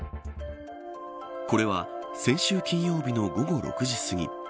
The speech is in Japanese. これは先週金曜日の午後６時すぎ。